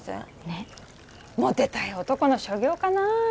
ねっモテたい男の所業かな